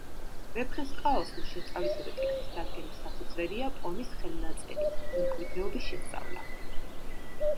ვეფხისტყაოსნის შესწავლისა და ტექსტის დადგენის საფუძველია პოემის ხელნაწერი მემკვიდრეობის შესწავლა.